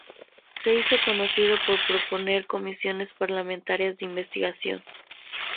Se hizo conocido por proponer Comisiones Parlamentarias de Investigación.